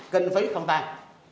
kinh phí không tan